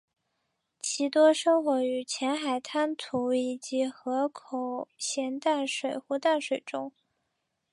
其多生活于浅海滩涂以及河口咸淡水或淡水中。